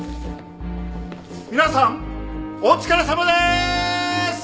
皆さんお疲れさまでーす！